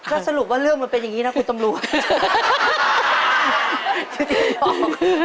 ก็สรุปว่าเรื่องมันเป็นอย่างนี้นะคุณตำรวจ